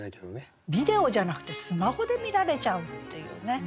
ビデオじゃなくてスマホで見られちゃうっていうね